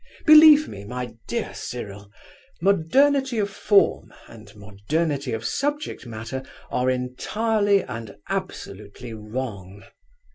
Believe me, my dear Cyril, modernity of form and modernity of subject matter are entirely and absolutely wrong.